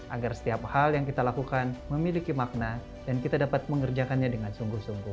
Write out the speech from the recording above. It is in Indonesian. agar setiap hal yang kita lakukan memiliki makna dan kita dapat mengerjakannya dengan sungguh sungguh